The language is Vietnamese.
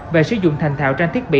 và sử dụng thành thạo trang thiết bị